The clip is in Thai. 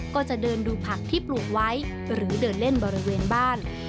ก็จะเดินดูผักที่ปลูกไว้หรือเดินเล่นบริเวณบ้าน